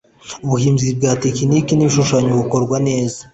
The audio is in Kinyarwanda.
Ubuhimbyi bwa tekiniki n ‘ibishushanyo bukorwa neza.